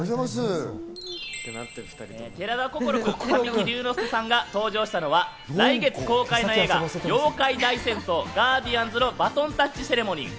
寺田心くん、神木隆之介さんが登場したのは、来月公開の映画『妖怪大戦争ガーディアンズ』のバトンタッチセレモニー。